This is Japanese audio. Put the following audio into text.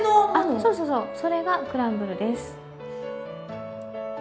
そうそうそうそれがクランブルです。